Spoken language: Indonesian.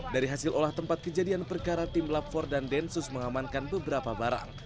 dari hasil olah tempat kejadian perkara tim lab empat dan densus mengamankan beberapa barang